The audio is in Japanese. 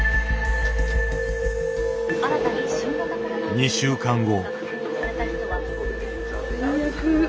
２週間後。